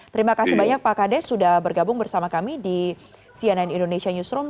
terima kasih banyak pak kades sudah bergabung bersama kami di cnn indonesia newsroom